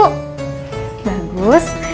biar bisa berbagi bu